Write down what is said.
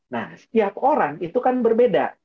nah setiap orang itu kan berbeda